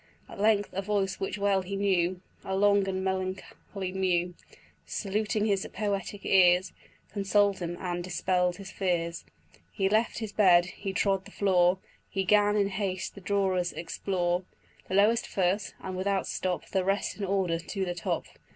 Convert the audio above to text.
At length a voice which well he knew, A long and melancholy mew, Saluting his poetic ears, Consoled him and dispell'd his fears: He left his bed, he trod the floor, He 'gan in haste the drawers explore, The lowest first, and without stop The rest in order to the top.